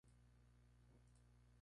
Era hija del Rev.